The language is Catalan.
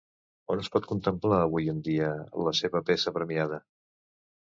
On es pot contemplar avui en dia la seva peça premiada?